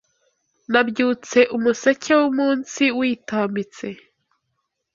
Nabyutse Umuseke Wumunsi witambitse